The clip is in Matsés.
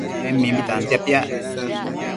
En mimbi tantia piac